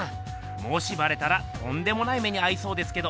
もしバレたらとんでもない目にあいそうですけど。